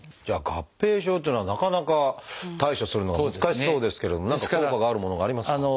じゃあ合併症っていうのはなかなか対処するのが難しそうですけれども何か効果があるものがありますか？